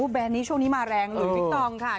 แนนนี้ช่วงนี้มาแรงหลุยวิกตองค่ะ